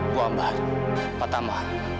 bu ambar pak tama